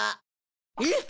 えっ！？